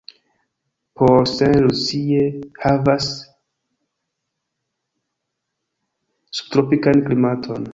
Port St. Lucie havas subtropikan klimaton.